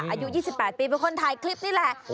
อายุ๒๘ปีเป็นคนถ่ายคลิปนี่แหละ